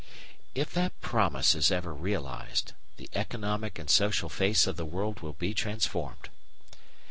If that "promise" is ever realised, the economic and social face of the world will be transformed.